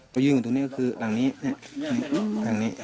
อยู่ข้างตรงนี้ก็คือหลังนี้